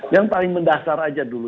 yang paling mendasar aja dulu